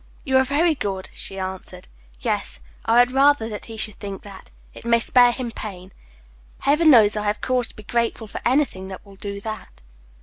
"You are very good," she answered. "Yes, I would rather that he should think that. It may spare him pain. Heaven knows I have cause to be grateful for anything that will do that."